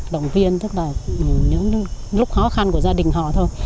động viên tức là những lúc khó khăn của gia đình họ thôi